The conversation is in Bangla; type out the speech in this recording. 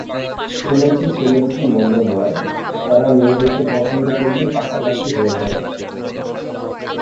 শুনেছি ছেলে দুটি মন্দ নয়– তারা মেয়ে দেখে পছন্দ করলেই পাকাপাকি হয়ে যাবে।